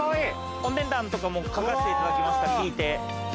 お値段とかも書かせていただきました聞いて。